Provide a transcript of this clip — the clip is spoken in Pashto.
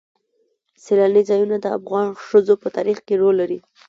سیلاني ځایونه د افغان ښځو په ژوند کې رول لري.